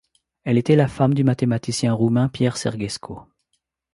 Elle était la femme du mathématicien roumain Pierre Sergesco.